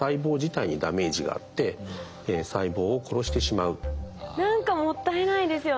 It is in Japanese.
また一方で何かもったいないですよね。